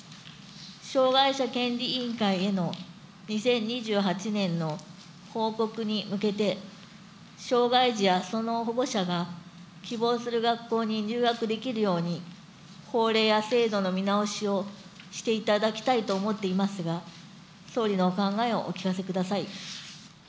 障害者権利委員会への２０２８年の報告に向けて、障害児やその保護者が希望する学校に入学できるように、法令や制度の見直しをしていただきたいと思っていますが、総理のお考えをお聞かせください。